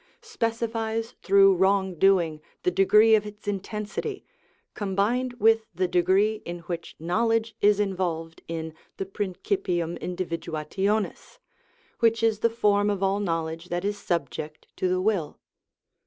_, specifies through wrong doing the degree of its intensity, combined with the degree in which knowledge is involved in the principium individuationis (which is the form of all knowledge that is subject to the will).